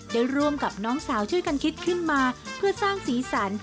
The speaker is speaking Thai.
ร่วมกับน้องสาวช่วยกันคิดขึ้นมาเพื่อสร้างสีสัน